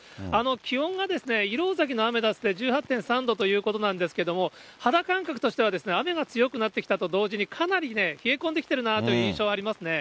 気温が石廊崎のアメダスで１８．３度ということなんですけれども、肌感覚としては、雨が強くなってきたと同時に、かなり冷え込んできてるなという印象はありますね。